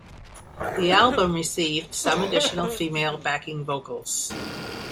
The album received some additional female backing vocals.